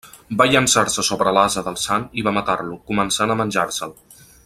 Va llençar-se sobre l'ase del sant i va matar-lo, començant a menjar-se'l.